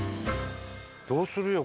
どうするよ？